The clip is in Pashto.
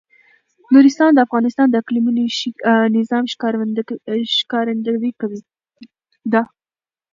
نورستان د افغانستان د اقلیمي نظام ښکارندوی ده.